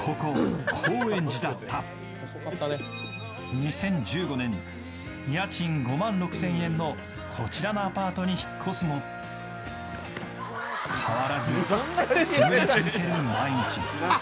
２０１５年、家賃５万６０００円のこちらのアパートに引っ越すも変わらずくすぶり続ける毎日。